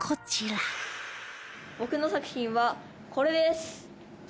僕の作品はこれです。